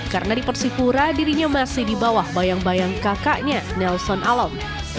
karena di persipura dirinya masih di bawah bayang bayang kakaknya nelson alom